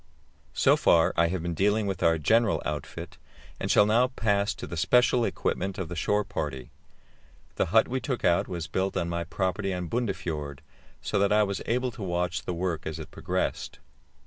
So far I have been dealing with our general outfit, and shall now pass to the special equipment of the shore party. The hut we took out was built on my property on Bundefjord, so that I was able to watch the work as it progressed.